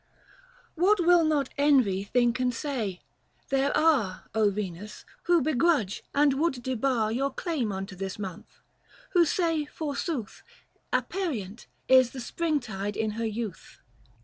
What will not envy think and say — there are O Venus, who begrudge and would debar 95 Your claim unto this month, who say forsooth " Aperient " is the spring tide in her youth.